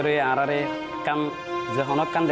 saya kan jahat